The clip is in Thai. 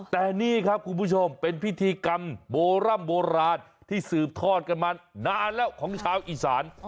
แต่นี่ครับคุณผู้ชมเป็นพิธีกรรมโบร่ำโบราณที่สืบทอดกันมานานแล้วของชาวอีสาน